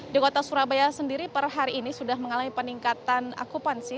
di kota surabaya sendiri per hari ini sudah mengalami peningkatan akupansi